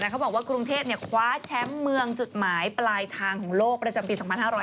เขาบอกว่ากรุงเทพคว้าแชมป์เมืองจุดหมายปลายทางของโลกประจำปี๒๕๕๙